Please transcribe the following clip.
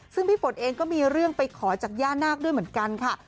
ซึ่งพี่ฝนเองก็มีเรื่องไปขอจากย่านาคด้วยเหมือนกันค่ะ